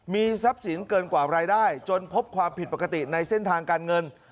มีทรัพย์สินเกินกว่ารายได้จนพบความผิดปกติในเส้นทางการเงิน